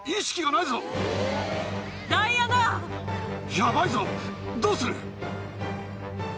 ・ヤバいぞどうする？